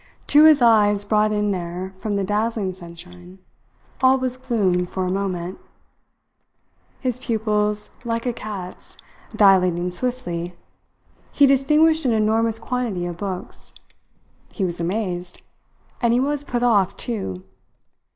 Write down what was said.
To his eyes, brought in there from the dazzling sunshine, all was gloom for a moment. His pupils, like a cat's, dilating swiftly, he distinguished an enormous quantity of books. He was amazed; and he was put off too.